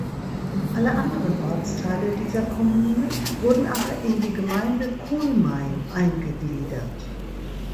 Alle anderen Ortsteile dieser Kommune wurden aber in die Gemeinde Kulmain eingegliedert.